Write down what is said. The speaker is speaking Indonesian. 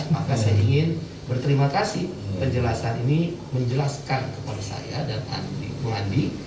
maka saya ingin berterima kasih penjelasan ini menjelaskan kepada saya dan andi puandi